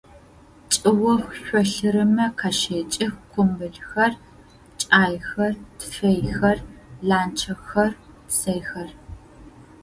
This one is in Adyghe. Чӏыох шъолъырымэ къащэкӏых къумбылхэр, кӏайхэр, тфэйхэр, ланчъэхэр, псэйхэр.